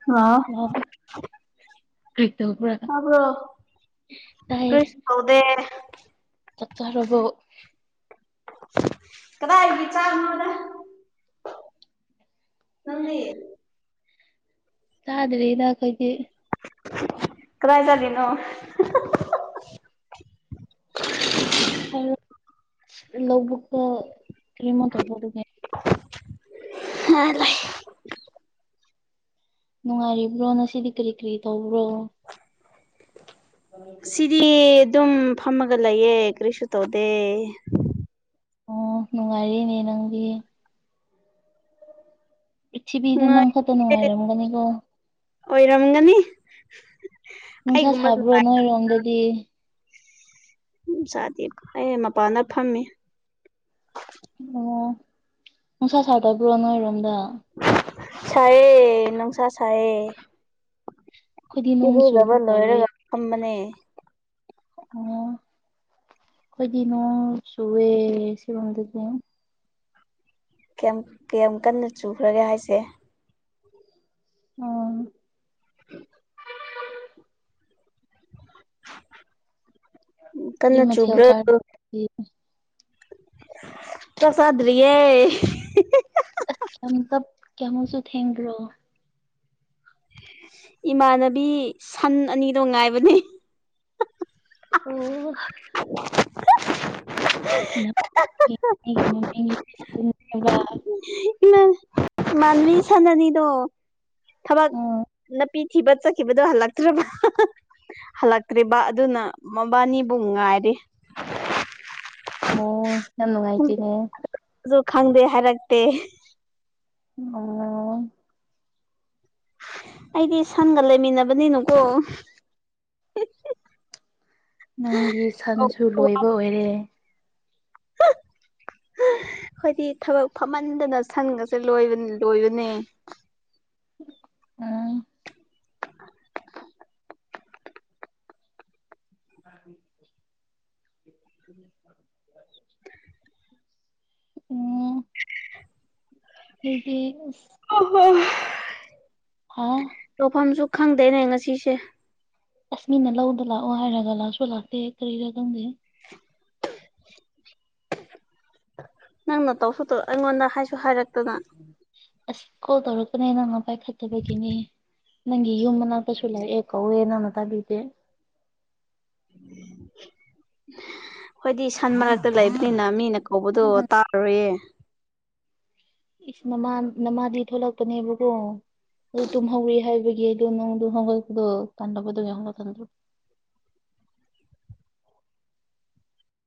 ꯂꯛ ꯑꯣ ꯀꯛꯇ ꯄꯨꯔꯀ ꯇꯥꯏ ꯀꯔꯤꯁꯨ ꯇꯧꯗꯦ ꯀꯗꯥ ꯆꯔꯅꯗ ꯅꯪꯒꯤ ꯆꯗꯔꯤꯗ ꯑꯩꯈꯣꯏꯗꯤ ꯀꯗꯥꯏ ꯇꯗꯤꯅꯣ ꯍꯝ ꯂꯧꯕꯨꯛꯀꯣ ꯀꯔꯤꯃꯣ ꯇꯧ ꯐꯕꯒ ꯍꯥ ꯂꯩꯏ ꯅꯨꯡꯉꯥꯏꯔꯤꯕ꯭ꯔꯣ ꯉꯁꯤꯗꯤ ꯀꯔꯤ ꯀꯔꯤ ꯇꯧꯕ꯭ꯔꯣ ꯁꯤꯔꯤ ꯑꯗꯨꯝ ꯐꯝꯃꯒ ꯂꯩꯌꯦ ꯀꯔꯤꯁꯨ ꯇꯧꯗꯦ ꯑꯣ ꯅꯨꯡꯉꯥꯏꯔꯤꯅꯦ ꯅꯪꯒꯤ ꯄ꯭ꯔꯤꯊꯤꯕꯤꯗ ꯅꯪ ꯈꯛꯇ ꯅꯨꯡꯉꯥꯏ ꯅꯨꯡꯉꯥꯏꯔꯝꯒꯅꯤꯀꯣ ꯑꯣꯏꯔꯝꯒꯅꯤ ꯅꯨꯡꯁꯥ ꯑꯩꯒꯨꯝꯕ ꯁꯕ꯭ꯔꯣ ꯅꯨꯡꯉꯥꯏꯕ ꯅꯣꯏ ꯔꯪꯗꯦꯗꯤ ꯎꯝ ꯆꯗꯦ ꯑꯩ ꯃꯄꯥꯟꯗ ꯐꯝꯃꯤ ꯑꯣ ꯅꯨꯡꯁꯥ ꯁꯥꯗꯕ꯭ꯔꯣ ꯅꯣꯏꯔꯣꯝꯗ ꯁꯥꯏꯌꯦ ꯅꯨꯪ ꯅꯨꯡꯁꯥ ꯁꯥꯏꯌꯦ ꯑꯩꯈꯣꯏꯗꯤ ꯅꯣꯡ ꯏꯔꯨꯖꯕꯥ ꯆꯨꯒꯦ ꯇꯧꯔꯦ ꯂꯣꯏꯔꯒ ꯈꯝꯕꯅꯦ ꯑꯣ ꯑꯩꯈꯣꯏꯗꯤ ꯅꯣ ꯁꯋꯦ ꯁꯤꯗꯥꯀꯣ ꯀꯌꯥꯝ ꯀꯌꯥꯝ ꯀꯟꯅ ꯆꯨꯈ꯭ꯔꯒꯦ ꯍꯥꯏꯁꯦ ꯑꯣ [unintelligible] [unintelligible] ꯀꯔꯤ ꯀꯟꯅ ꯃꯊꯦꯜ ꯆꯨꯕ꯭ꯔꯣ ꯅꯣꯏꯗꯤ ꯆꯥꯛ ꯆꯗꯔꯤꯌꯦ ꯀꯝꯇ ꯀꯃꯣꯁꯨ ꯊꯦꯡꯒ꯭ꯔꯣ ꯏꯃꯥꯟꯅꯕꯤ ꯁꯟ ꯑꯅꯤꯗꯣ ꯉꯥꯏꯕꯅꯦ ꯑꯣ [unintelligible] ꯃꯥꯟꯕꯤ ꯁꯥꯟ ꯑꯅꯤꯗꯣ ꯊꯕꯥꯛ ꯅꯥꯄꯤ ꯊꯤꯕ ꯆꯠꯈꯤꯕꯗꯣ ꯍꯜꯂꯛꯇ꯭ꯔꯔꯤꯕ ꯍꯜꯂꯛꯇ꯭ꯔꯤꯕ ꯑꯗꯨꯅ ꯃꯕꯥꯅꯤꯕꯨ ꯉꯥꯏꯔꯤ ꯑꯣ ꯅꯪ ꯉꯥꯏꯇꯅꯦ ꯑꯗꯨꯨ ꯈꯪꯗꯦ ꯍꯥꯏꯔꯛꯇꯦ ꯑꯣ ꯑꯩꯗꯤ ꯁꯟꯒ ꯂꯩꯃꯤꯟꯅꯕꯅꯤꯅꯨꯀꯣ ꯅꯪꯒꯤ ꯁꯟꯁꯨ ꯂꯣꯏꯕ ꯑꯣꯏꯔꯦ ꯑꯩꯣꯏꯗꯤ ꯊꯕꯛ ꯐꯝꯍꯟꯗꯅ ꯁꯟꯒꯁꯦ ꯂꯣꯏꯕ ꯂꯣꯏꯕꯅꯦ ꯑꯝ [unintelligible] ꯎ ꯍꯗꯤ ꯑꯣ ꯍꯣ ꯍꯥ ꯇꯣꯛꯐꯝꯁꯨ ꯈꯪꯗꯦꯅꯦ ꯉꯁꯤꯁꯦ ꯑꯁꯃꯤꯅ ꯂꯧꯗ ꯂꯥꯛꯑꯣ ꯍꯥꯏꯔꯒ ꯂꯥꯛꯁꯨ ꯂꯥꯛꯇꯦ ꯀꯔꯤꯔ ꯈꯪꯗꯦ ꯅꯪꯅ ꯇꯧꯁꯨ ꯑꯩꯉꯣꯟꯗ ꯍꯥꯏꯁꯨ ꯍꯥꯏꯔꯛꯀꯦ ꯑꯁ ꯀꯣꯜ ꯇꯧꯔꯛꯄꯅꯦ ꯅꯪ ꯄꯥꯏꯈꯠꯇꯕꯒꯤꯅꯤ ꯅꯪꯒꯤ ꯌꯨꯝ ꯃꯅꯥ ꯀꯩꯁꯨ ꯂꯥꯛꯑꯦ ꯀꯧꯋꯦ ꯅꯅ ꯇꯥꯕꯤꯗꯦ ꯍꯣꯏꯗꯤ ꯁꯟ ꯃꯔꯛꯇ ꯂꯩꯕꯅꯤꯅ ꯃꯤꯅ ꯍꯧꯕꯗꯣ ꯎꯝ ꯇꯥꯔꯣꯏꯌꯦꯦ ꯏꯁ ꯅꯃꯥ ꯅꯃꯥꯗꯤ ꯊꯣꯛꯂꯛꯄꯅꯦꯕꯀꯣ ꯑꯗꯨ ꯇꯨꯝꯍꯧꯔꯤ ꯍꯥꯏꯕꯒꯤ ꯑꯩ ꯑꯗꯨ ꯅꯣꯡꯗꯨ ꯍꯧꯒꯛꯄꯗꯣ ꯇꯥꯟꯕꯗꯨ ꯌꯥ ꯇꯟ꯭ꯔꯣ [unintelligible]